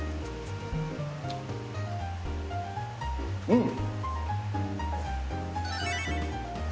うん！